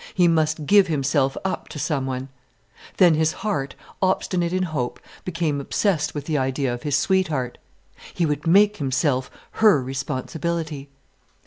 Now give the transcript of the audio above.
He must give himself up to someone. Then his heart, obstinate in hope, became obsessed with the idea of his sweetheart. He would make himself her responsibility.